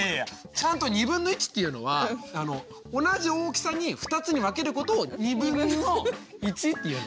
ちゃんとっていうのは同じ大きさに２つに分けることをっていうの。